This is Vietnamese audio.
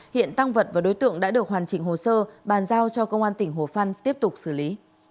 hiện tăng vật và đối tượng đã được hoàn chỉnh hồ sơ bàn giao cho công an tỉnh hồ phân tiếp tục xử lý